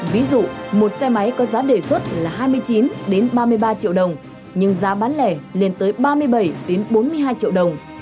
ví dụ một xe máy có giá đề xuất là hai mươi chín ba mươi ba triệu đồng nhưng giá bán lẻ lên tới ba mươi bảy bốn mươi hai triệu đồng